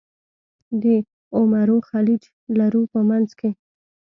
د عمرو خلیج لرو په منځ کې.